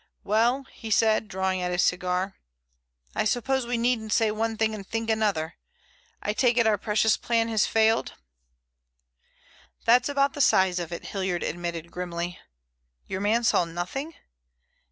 "Well," he said, drawing at his cigar, "I suppose we needn't say one thing and think another. I take it our precious plan has failed?" "That's about the size of it," Hilliard admitted grimly. "Your man saw nothing?"